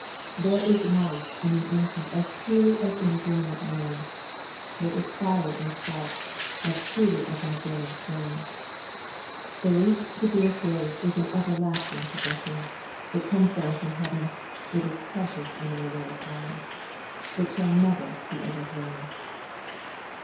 There is life in an infant as truly as in a grown up man. There is fire in a spark as truly as in a burning flame. The least degree of grace is an ever lasting possession. It comes down from heaven. It is precious in our Lord's eyes. It shall never be over thrown.